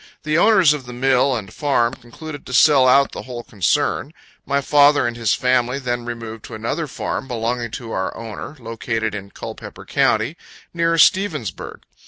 The owners of the mill and farm concluded to sell out the whole concern. My father and his family then removed to another farm, belonging to our owner, located in Culpepper county, near Stevensburg.